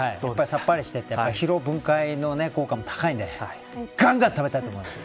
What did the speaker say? さっぱりしていて疲労回復の効果も高いんでがんがん食べたいと思います。